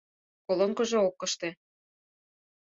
— Колонкыжо ок ыште.